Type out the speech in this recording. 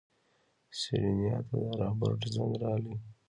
سېرېنا ته د رابرټ زنګ راغی.